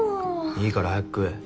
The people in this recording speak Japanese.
いいから早く食え。